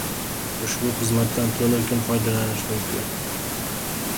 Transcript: Ushbu xizmatdan tun-u kun foydalanish mumkin